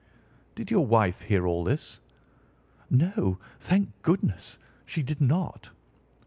"Did your wife hear all this?" "No, thank goodness, she did not."